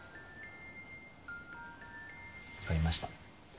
分かりました。